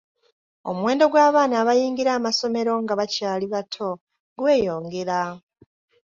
Omuwendo gw’abaana abayingira amasomero nga bakyali bato gweyongera .